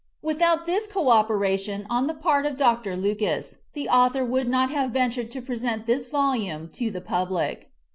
Without this cooperation on the part of Dr. Lucas the author would not have ventured to present this volume to the public.